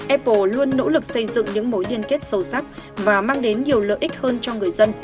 apple luôn nỗ lực xây dựng những mối liên kết sâu sắc và mang đến nhiều lợi ích hơn cho người dân